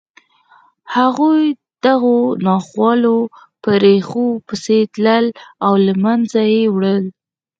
هغوی د دغو ناخوالو په ریښو پسې تلل او له منځه یې وړل